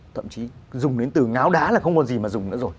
thậm chí dùng đến từ ngáo đá là không còn gì mà dùng nữa rồi